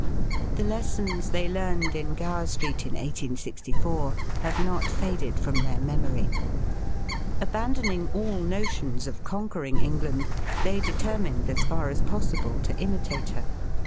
The lessons they learned in Gower Street in 1864 have not faded from their memory. Abandoning all notions of conquering England, they determined as far as possible to imitate her.